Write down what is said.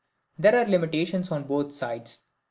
There are limitations on both sides.